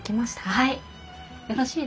はい。